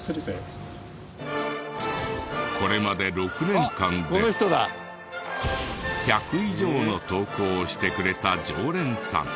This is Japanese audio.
これまで６年間で１００以上の投稿をしてくれた常連さん。